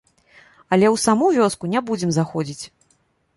Але ў саму вёску не будзем заходзіць.